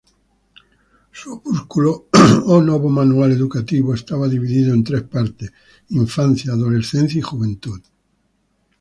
Su opúsculo "O Novo Manual Educativo", estaba dividido en tres partes: Infancia, Adolescencia, Juventud.